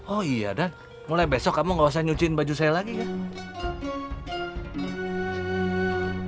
oh iya dan mulai besok kamu gak usah nyuciin baju saya lagi kan